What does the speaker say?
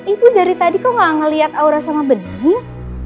ibu dari tadi kok gak ngeliat aura sama benih